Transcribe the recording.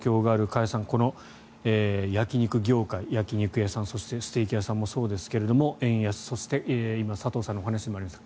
加谷さん、この焼き肉業界焼き肉屋さんそしてステーキ屋さんもそうですが円安、そして今佐藤さんのお話にもありました